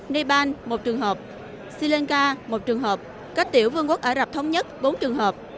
nepal một trường hợp sri lanka một trường hợp các tiểu vương quốc ả rập thống nhất bốn trường hợp